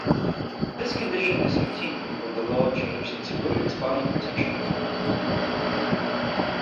This condition discontinued when the law changed into Women's Body Protection Law.